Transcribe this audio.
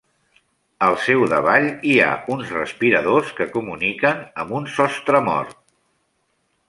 Al seu davall hi ha uns respiradors que comuniquen amb un sostremort.